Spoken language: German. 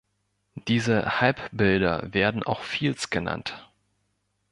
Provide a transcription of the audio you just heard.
Diese Halbbilder werden auch Fields genannt.